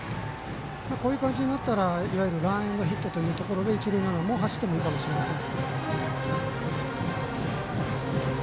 こういう感じになったらいわゆるランエンドヒットというところで一塁ランナーも走ってもいいかもしれません。